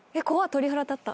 鳥肌立った。